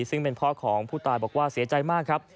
ซึ่งเป็นพ่อของผู้ตายบอกว่าเสียใจมากครับ